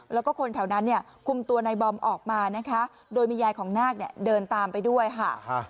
แล้วก็คนแถวนั้นเนี่ยคุมตัวในบอมออกมานะคะโดยมียายของนาคเนี่ยเดินตามไปด้วยค่ะ